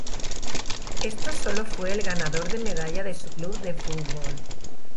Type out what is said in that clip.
Esto sólo fue el ganador de medalla de su club de fútbol.